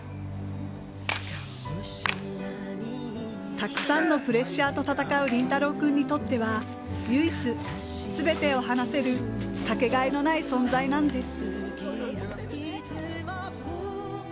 たくさんのプレッシャーと戦う麟太郎君にとっては、唯一全てを話せるかけがえのない存在なんです。